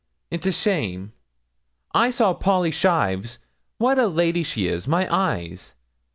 It's a shame! I saw Polly Shives what a lady she is, my eyes!